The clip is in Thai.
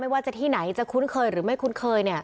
ว่าจะที่ไหนจะคุ้นเคยหรือไม่คุ้นเคย